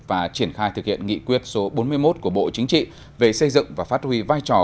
và triển khai thực hiện nghị quyết số bốn mươi một của bộ chính trị về xây dựng và phát huy vai trò